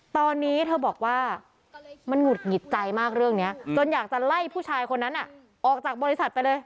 ตอนนี้เธอบอกว่ามันหงุดหงิดใจมากเรื่องนี้จนอยากจะไล่ผู้ชายคนนั้นออกจากบริษัทไปเลย